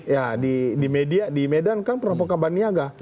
ya di media di medan kan perampokan baniaga